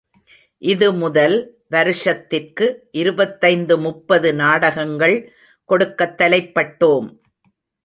இது முதல் வருஷத்திற்கு இருபத்தைந்து முப்பது நாடகங்கள் கொடுக்கத் தலைப்பட்டோம்.